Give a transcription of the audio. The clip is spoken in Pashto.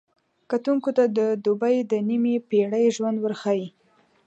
کتونکو ته د دوبۍ د نیمې پېړۍ ژوند ورښيي.